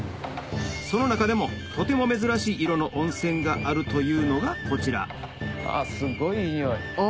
その中でもとても珍しい色の温泉があるというのがこちらすごいいい匂い。